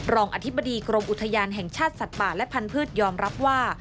รองอธิบดีกรมอุทยานแห่งชาติสัตว์ป่าและพันธุ์ยอมรับว่า